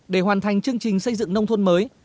để hoàn thành chương trình xây dựng nông thôn mới